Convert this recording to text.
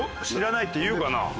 「知らない」って言うかな？